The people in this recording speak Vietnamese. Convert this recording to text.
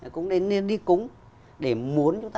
cũng nên đi cúng